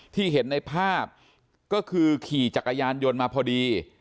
ที่เห็นในภาพก็คือขี่จักรยานยนต์มาพอดี